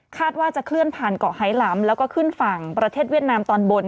ว่าจะเคลื่อนผ่านเกาะไฮล้ำแล้วก็ขึ้นฝั่งประเทศเวียดนามตอนบน